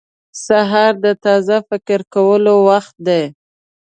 • سهار د تازه فکر کولو وخت دی.